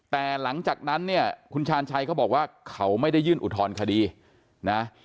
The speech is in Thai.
แต่หลังจากนั้นเนี่ยคุณชาญชัยเขาบอกว่าเขาไม่ได้ยื่นอุทธรณคดีนะ